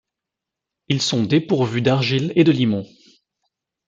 Ils sont dépourvus d’argile et de limon.